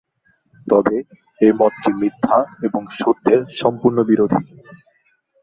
তবে এই মতটি মিথ্যা, এবং সত্যের সম্পূর্ণ বিরোধী।